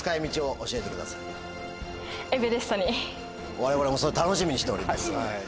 我々も楽しみにしております。